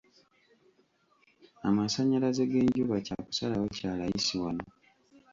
Amasannyalaze g'enjuba kya kusalawo kya layisi wano.